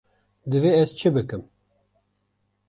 Divê ez çi bikim.